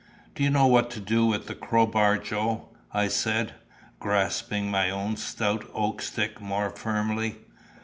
"Do you know what to do with the crowbar, Joe?" I said, grasping my own stout oak stick more firmly.